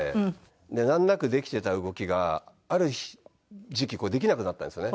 で難なくできてた動きがある時期こうできなくなったんですよね。